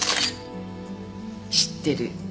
知ってる。